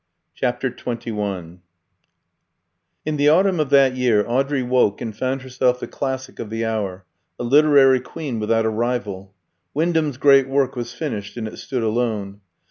CHAPTER XXI In the autumn of that year Audrey woke and found herself the classic of the hour, a literary queen without a rival. Wyndham's great work was finished, and it stood alone.